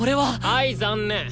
はい残念。